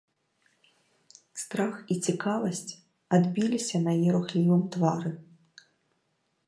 Страх і цікавасць адбіліся на яе рухлівым твары.